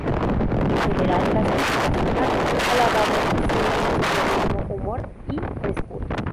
En general, las críticas han alabado esta serie por su realismo, humor y frescura.